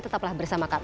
tetaplah bersama kami